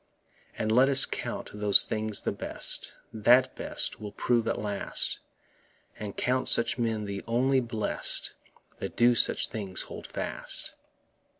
And let us count those things the best That best will prove at last; And count such men the only blest That do such things hold fast.